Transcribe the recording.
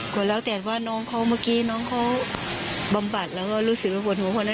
ก็แล้วแต่ว่าน้องเขาเมื่อกี้น้องเขาบำบัดแล้วก็รู้สึกว่าปวดหัวคนนั้น